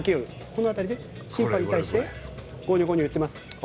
この辺りで審判に対してゴニョゴニョ言ってます。